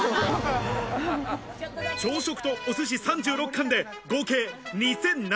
朝食とお寿司３６貫で合計２７００ｋｃａｌ。